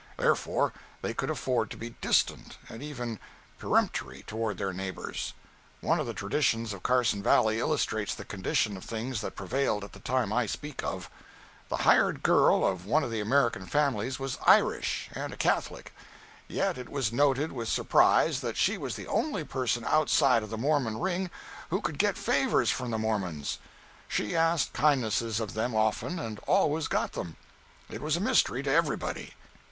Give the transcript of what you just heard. Therefore they could afford to be distant, and even peremptory toward their neighbors. One of the traditions of Carson Valley illustrates the condition of things that prevailed at the time I speak of. The hired girl of one of the American families was Irish, and a Catholic; yet it was noted with surprise that she was the only person outside of the Mormon ring who could get favors from the Mormons. She asked kindnesses of them often, and always got them. It was a mystery to everybody.